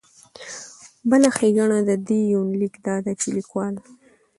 بله ښېګنه د دې يونليک دا ده چې ليکوال